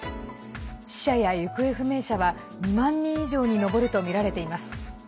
死者や行方不明者は２万人以上に上るとみられています。